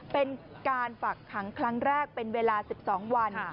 เป็นการฝักขังครั้งแรกเป็นเวลา๑๒วัน